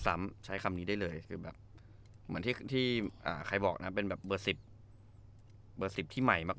ซ้ำใช้คำนี้ได้เลยคือแบบเหมือนที่อ่าใครบอกนะเป็นแบบเบอร์สิบเบอร์สิบที่ใหม่มาก